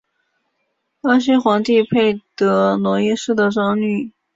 巴西皇帝佩德罗一世的长女。